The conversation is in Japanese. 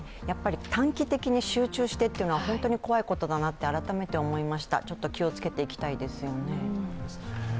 短期的に集中してというのは本当に怖いことだなと改めて思いました、ちょっと気を付けていきたいですよね。